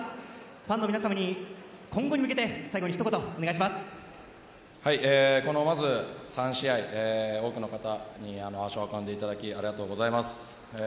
ファンの皆様に今後に向けてまず３試合、多くの方に足を運んでいただきありがとうございます。